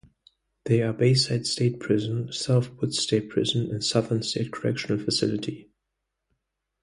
They are Bayside State Prison, South Woods State Prison, and Southern State Correctional Facility.